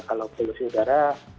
kalau polusi udara